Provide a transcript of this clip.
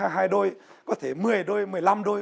hai đôi có thể một mươi đôi một mươi năm đôi